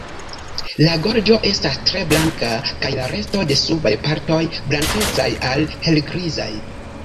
La gorĝo estas tre blanka kaj la resto de subaj partoj blankecaj al helgrizaj.